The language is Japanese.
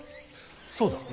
そうだ。